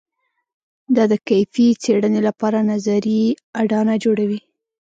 دا د کیفي څېړنې لپاره نظري اډانه جوړوي.